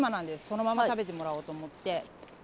そのまま食べてもらおうと思って。